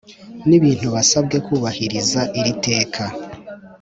n Ibintu basabwe kubahiriza iri teka